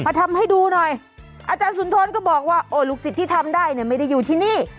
ทำให้ดูหน่อยอาจารย์สุนทรก็บอกว่าโอ้ลูกศิษย์ที่ทำได้เนี่ยไม่ได้อยู่ที่นี่